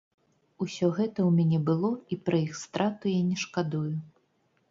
Усё гэта ў мяне было і пра іх страту я не шкадую.